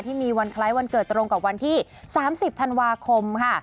วันคล้ายวันเกิดตรงกับวันที่๓๐ธันวาคมค่ะ